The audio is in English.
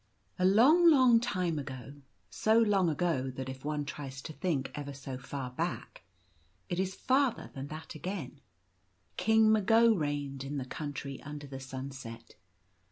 ) LONG, long rime ago — so long ago that if . one tries to think ever so far back, it is farther than that again — King Mago reigned in (he Country Under the Sunset.